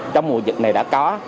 bệnh viện này đã có